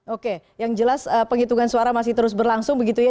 oke yang jelas penghitungan suara masih terus berlangsung begitu ya